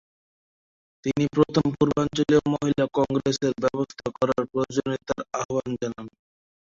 তিনি প্রথম পূর্বাঞ্চলীয় মহিলা কংগ্রেসের ব্যবস্থা করার প্রয়োজনীয়তার আহ্বান জানান।